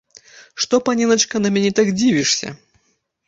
Што, паненачка, на мяне так дзівішся?